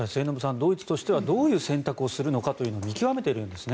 ドイツとしてはどういう選択をするのかって見極めているんですね。